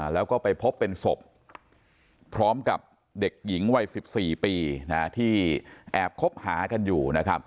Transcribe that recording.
แล้วก็ไปพบเป็นศพพร้อมกับเด็กหญิงวัย๑๔ปีที่แอบคบหากันอยู่นะครับ